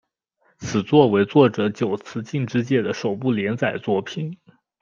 此作为作者久慈进之介的首部连载作品。